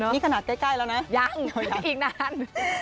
นี่ขนาดใกล้แล้วนะยังอีกนาน